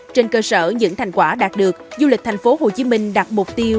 trên cơ sở những thành quả đạt được du lịch thành phố hồ chí minh đạt mục tiêu